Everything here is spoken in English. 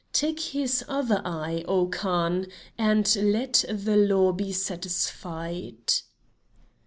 Take his other eye, oh Khan, and let the law be satisfied."